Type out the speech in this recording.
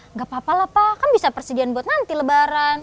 nggak apa apa lah pak kan bisa persediaan buat nanti lebaran